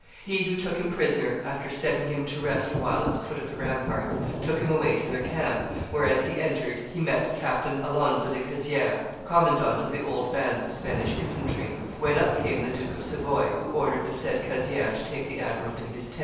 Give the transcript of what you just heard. He who took him prisoner, after having set him to rest a while at the foot of the ramparts, took him away to their camp, where, as he entered, he met Captain Alonzo de Cazieres, commandant of the old bands of Spanish infantry, when up came the Duke of Savoy, who ordered the said Cazieres to take the admiral to his tent."